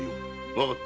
わかった。